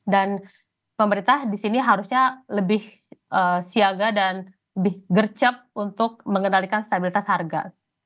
dan pemerintah disini harusnya lebih siaga dan lebih gercep untuk mengenalikan stabilitas harga